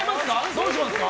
どうしますか？